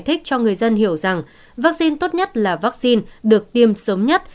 thích cho người dân hiểu rằng vaccine tốt nhất là vaccine được tiêm sớm nhất